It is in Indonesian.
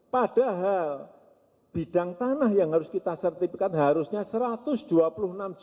padahal bidang tanah yang harus kita sertifikat harusnya rp satu ratus dua puluh enam juta